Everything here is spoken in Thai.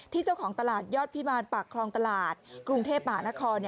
เจ้าของตลาดยอดพิมารปากคลองตลาดกรุงเทพมหานคร